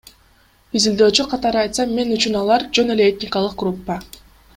Изилдөөчү катары айтсам, мен үчүн алар — жөн эле этникалык группа.